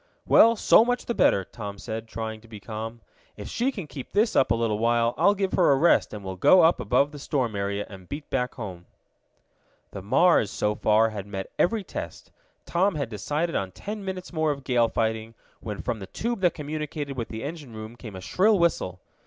"Well, so much the better," Tom said, trying to be calm. "If she can keep this up a little while I'll give her a rest and we'll go up above the storm area, and beat back home." The Mars, so far, had met every test. Tom had decided on ten minutes more of gale fighting, when from the tube that communicated with the engine room came a shrill whistle.